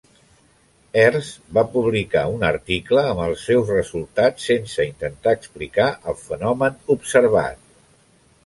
Hertz va publicar un article amb els seus resultats sense intentar explicar el fenomen observat.